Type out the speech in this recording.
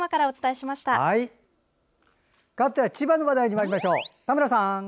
かわっては千葉の話題にまいりましょう。